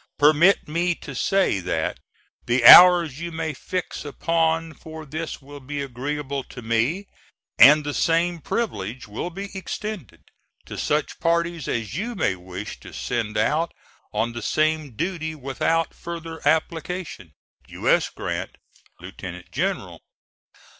Permit me to say that the hours you may fix upon for this will be agreeable to me, and the same privilege will be extended to such parties as you may wish to send out on the same duty without further application. U. S. GRANT, Lieut. General.